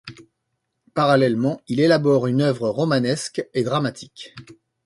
Parallèlement, il élabore une œuvre romanesque et dramatique.